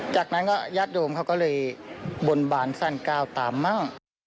จากนั้นก็ญาติโยมเขาก็เลยบนบานสั้นก้าวตามมั่ง